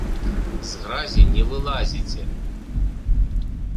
З гразі не вылазіце.